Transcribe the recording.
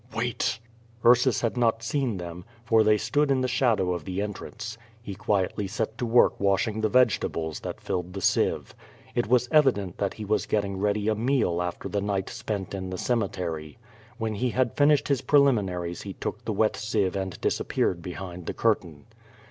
'^ "Wait!'^ Ursus had not seen them, for they stood in the shadow of the entrance. He quietly set to work washing the vegetables that filled the sieve. It was evident that he was getting ready a meal after the night spent in the cemetery. When he had finished his preliminaries he took the wet sieve and disap peared behind the curtain.